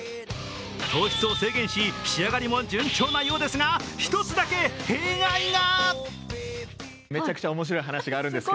糖質を制限し、仕上がりも順調なようですが１つだけ弊害が。